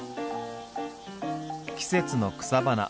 季節の草花。